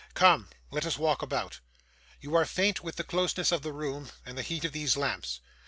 Come, let us walk about. You are faint with the closeness of the room, and the heat of these lamps.